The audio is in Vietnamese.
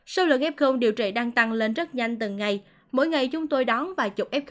số lượng f điều trị đang tăng lên rất nhanh từng ngày mỗi ngày chúng tôi đón vài chục f